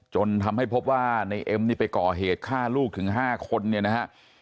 จนทำให้พบว่าในเอ็มนี่ไปก่อเหตุฆ่าลูกถึง๕คนเนี่ยนะฮะ